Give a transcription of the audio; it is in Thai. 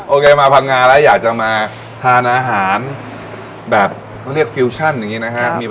แกมาพังงาแล้วอยากจะมาทานอาหารแบบเขาเรียกฟิวชั่นอย่างนี้นะฮะ